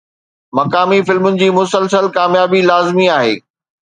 مقامي فلمن جي مسلسل ڪاميابي لازمي آهي.